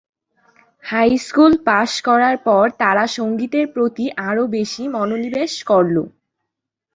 High school pass করার পর তারা সঙ্গীতের প্রতি আরো বেশি মনোনিবেশ করলো।